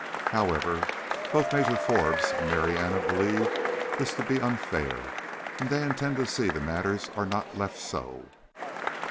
However, both Major Forbes and Marianna believe this to be unfair, and they intend to see that matters are not left so.